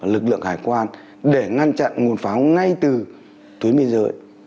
lực lượng hải quan để ngăn chặn nguồn pháo ngay từ tuyến biên giới